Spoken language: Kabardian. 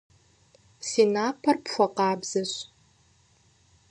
Си напэр пхуэкъабзэщ.